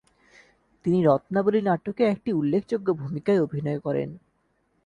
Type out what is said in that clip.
তিনি 'রত্নাবলী ' নাটকে একটি উল্লেখযোগ্য ভূমিকায় অভিনয় করেন।